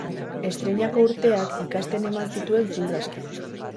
Estreinako urteak ikasten eman zituen ziur aski.